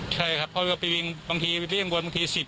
ใช่ครับเพราะว่าไปวิ่งบางทีเรียงบน๑๐กิโลเมตร